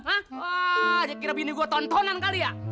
wah dia kira bini gua tontonan kali ya